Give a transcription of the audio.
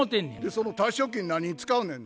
その退職金何に使うねんな？